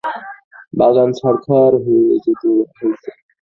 বাগান ছারখার হয়ে যেত হয়তো।